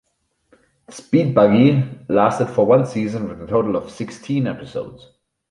"Speed Buggy" lasted for one season with a total of sixteen episodes.